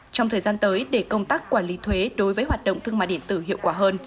trong thời gian tới để công tác quản lý thuế đối với hoạt động thương mại điện tử hiệu quả hơn